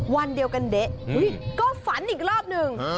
วันเดียวกันเด๊ะก็ฝันอีกรอบหนึ่ง